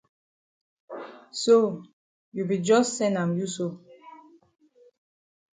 So you be jus sen am you so.